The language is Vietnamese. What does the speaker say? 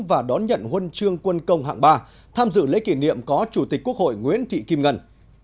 và đón nhận huân chương quân công hạng ba tham dự lễ kỷ niệm có chủ tịch quốc hội nguyễn thị kim ngân